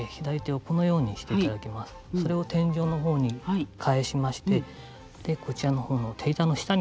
それを天井の方に返しましてこちら方の手板の下に。